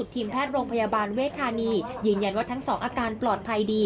ทีมแพทย์โรงพยาบาลเวทธานียืนยันว่าทั้งสองอาการปลอดภัยดี